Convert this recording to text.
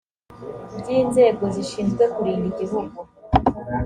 by inzego zishinzwe kurinda igihugu